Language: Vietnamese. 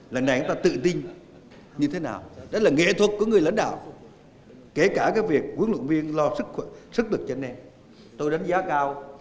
lần này chúng ta tự tin như thế nào đó là nghệ thuật của người lãnh đạo kể cả cái việc huấn luyện viên lo sức lực cho anh em tôi đánh giá cao